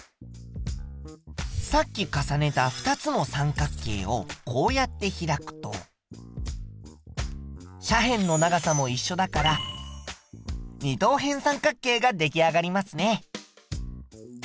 さっき重ねた２つの三角形をこうやって開くと斜辺の長さもいっしょだから二等辺三角形が出来上がりますね。